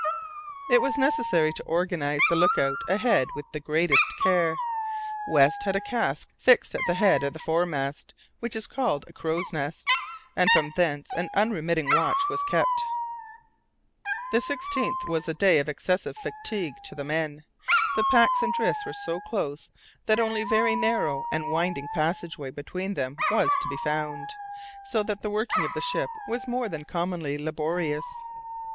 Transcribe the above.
It was necessary to organize the look out ahead with the greatest care. West had a cask fixed at the head of the foremast what is called a crow's nest and from thence an unremitting watch was kept. The 16th was a day of excessive fatigue to the men. The packs and drifts were so close that only very narrow and winding passage way between them was to be found, so that the working of the ship was more than commonly laborious.